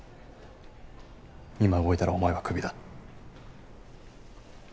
今動いたらお前はクビだ。